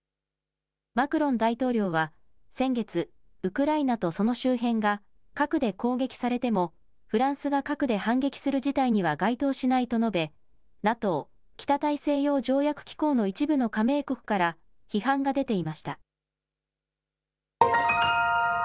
マクロン大統領は、先月、ウクライナとその周辺が核で攻撃されても、フランスが核で反撃する事態には該当しないと述べ、ＮＡＴＯ・北大西洋条約機構の一部の加盟国から批判が出ていました。